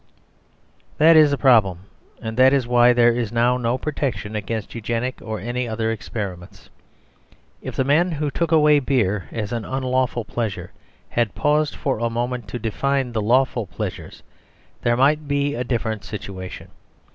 That is the problem, and that is why there is now no protection against Eugenic or any other experiments. If the men who took away beer as an unlawful pleasure had paused for a moment to define the lawful pleasures, there might be a different situation.